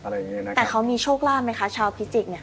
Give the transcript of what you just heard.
แต่เขามีโชคราบไหมคะชาวพิจิกเนี่ย